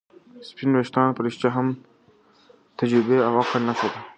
سپین ويښتان په رښتیا هم د تجربې او عقل نښه ده.